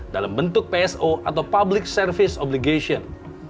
dalam bentuk pso atau public service obligation